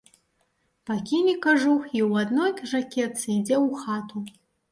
Пакіне кажух і ў адной жакетцы ідзе ў хату.